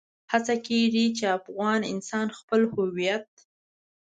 هڅه کېږي چې افغان انسان خپل هويت.